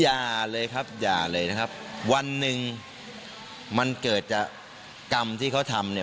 อย่าเลยครับอย่าเลยนะครับวันหนึ่งมันเกิดจากกรรมที่เขาทำเนี่ย